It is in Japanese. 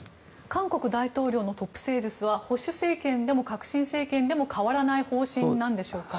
韓国大統領のトップセールスは保守政権でも革新政権でも変わらない方針なんでしょうか。